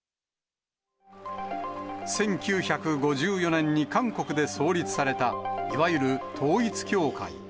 １９５４年に韓国で創立された、いわゆる統一教会。